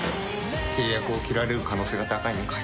契約を切られる可能性が高いのか。